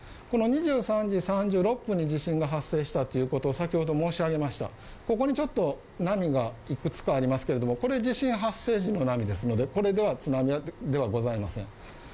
この２３時３６分に地震が発生したということを先ほど申し上げました、ここにちょっと波がいくつかありますけれどもこれ地震発生時の波ですのでこれは津波ではございません。